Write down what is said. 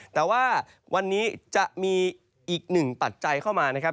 แต่ว่าวันนี้จะมีอีกหนึ่งปัจจัยเข้ามานะครับ